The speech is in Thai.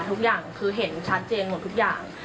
ทุกอย่างคือเห็นชัดเจนหมดทุกอย่าง